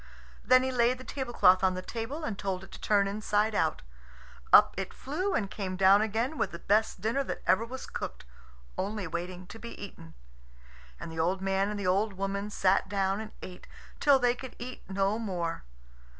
Then he laid the tablecloth on the table and told it to turn inside out. Up it flew, and came down again with the best dinner that ever was cooked, only waiting to be eaten. And the old man and the old woman sat down and ate till they could eat no more.